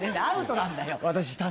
アウトなんだよ！